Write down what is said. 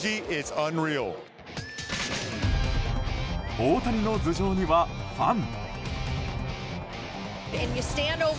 大谷の頭上には、ファン。